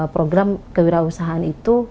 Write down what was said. program kewirausahaan itu